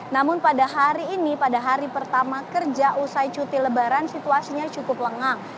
namun pada hari ini pada hari pertama kerja usai cuti lebaran situasinya cukup lengang